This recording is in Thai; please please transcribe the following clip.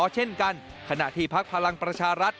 เช่นกันขณะที่พักพลังประชารัฐ